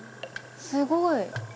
すごい！